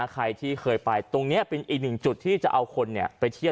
ใครที่เคยไปตรงนี้เป็นอีกหนึ่งจุดที่จะเอาคนไปเที่ยว